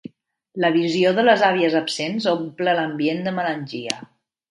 La visió de les àvies absents omple l'ambient de melangia.